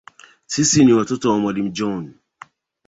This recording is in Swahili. Sisi ni watoto wa mwalimu John.